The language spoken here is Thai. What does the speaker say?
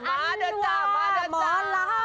อันดว่ามาร้ำ